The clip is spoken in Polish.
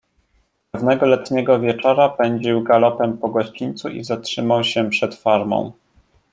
"Pewnego letniego wieczora pędził galopem po gościńcu i zatrzymał się przed farmą."